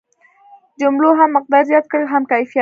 جملو هم مقدار زیات کړ هم کیفیت.